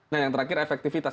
nah yang terakhir efektivitas